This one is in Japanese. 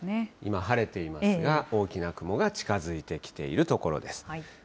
今晴れていますが、大きな雲が近づいてきているところです。